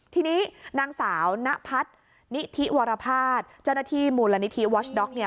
ทีนี้นางสาวณพัฒนิธิวรพาทจนที่มูลละนิธิวอชด๊อกเนี่ย